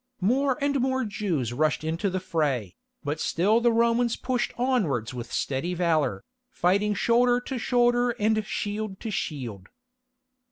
More and more Jews rushed into the fray, but still the Romans pushed onwards with steady valour, fighting shoulder to shoulder and shield to shield.